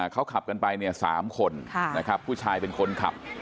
เขาขับกันไปสามคนผู้ชายเป็นคนขับ